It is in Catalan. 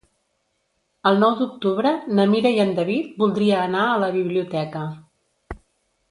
El nou d'octubre na Mira i en David voldria anar a la biblioteca.